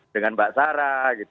dengan mbak sara